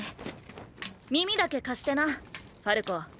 耳だけ貸してなファルコ。